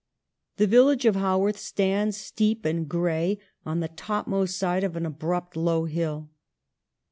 The village of Haworth stands, steep and gray, on the topmost side of an abrupt low hill.